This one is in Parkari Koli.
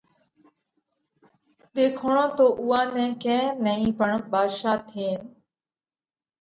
ۮيکوڻو تو اُوئا نئہ ڪئين نئين پڻ ڀاڌشا ٿينَ